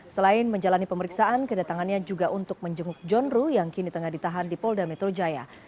selain menjalani pemeriksaan kedatangannya juga untuk menjenguk john ruh yang kini tengah ditahan di polda metro jaya